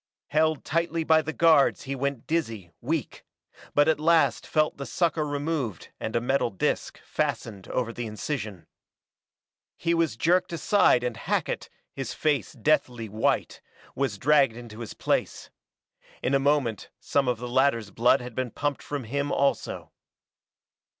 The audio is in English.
Held tightly by the guards he went dizzy, weak, but at last felt the sucker removed and a metal disk fastened over the incision. He was jerked aside and Hackett, his face deathly white, was dragged into his place. In a moment some of the latter's blood had been pumped from him also.